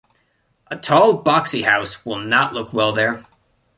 A tall boxy house will not look well there.